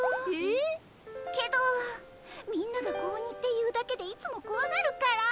けどみんなが子鬼っていうだけでいつもこわがるから。